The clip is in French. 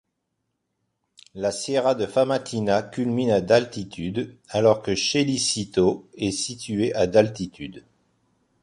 La Sierra de Famatina culmine à d'altitude alors que Chelicito est situé à d'altitude.